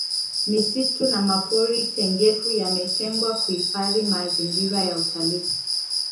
misitu na mapori tengefu yametengwa kuhifadhi mazingira ya utalii